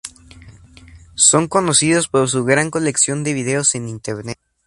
Son conocidos por su gran colección de vídeos en Internet.